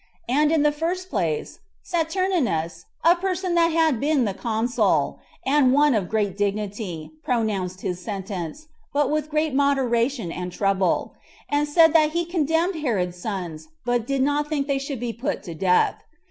And in the first place, Saturninus, a person that had been consul, and one of great dignity, pronounced his sentence, but with great moderation and trouble; and said that he condemned Herod's sons, but did not think they should be put to death.